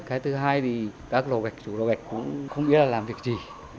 cái thứ hai thì các loa gạch thủ công cũng không biết là làm việc gì